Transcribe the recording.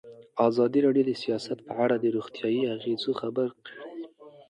ازادي راډیو د سیاست په اړه د روغتیایي اغېزو خبره کړې.